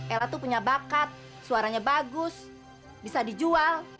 ella tuh punya bakat suaranya bagus bisa dijual